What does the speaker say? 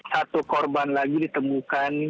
satu korban lagi ditemukan